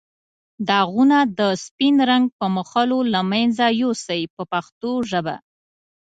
داغونه د سپین رنګ په مښلو له منځه یو سئ په پښتو ژبه.